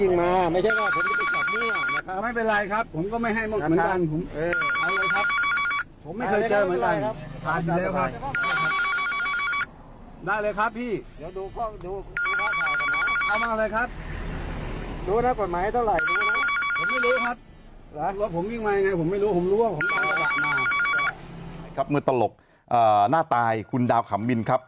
เมื่อตลกหน้าตายคุณดาวขำมินครับ